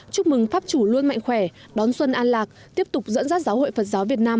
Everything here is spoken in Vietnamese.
chúc mừng pháp chủ luôn mạnh khỏe đón xuân an lạc tiếp tục dẫn dắt giáo hội phật giáo việt nam